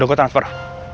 udah gue transfer